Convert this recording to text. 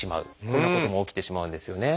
こんなことも起きてしまうんですよね。